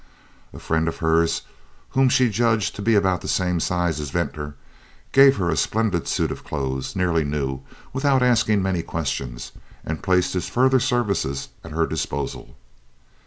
A friend of hers, whom she judged to be about the same size as Venter, gave her a splendid suit of clothes, nearly new, without asking many questions, and placed his further services at her disposal.